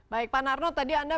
baik pak narno tadi anda